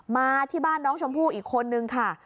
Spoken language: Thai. มาที่บ้านน้องชมพู่อีกคนนึงค่ะ